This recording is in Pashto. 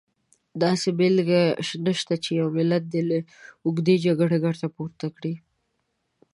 داسې بېلګه نشته چې یو ملت دې له اوږدې جګړې ګټه پورته کړي.